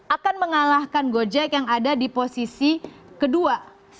akan mengalahkan gojek yang ada di posisi kedua